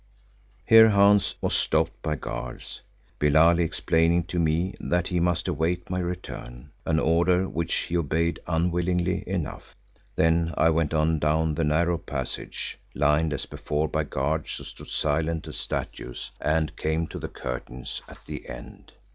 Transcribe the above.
Here Hans was stopped by guards, Billali explaining to me that he must await my return, an order which he obeyed unwillingly enough. Then I went on down the narrow passage, lined as before by guards who stood silent as statues, and came to the curtains at the end.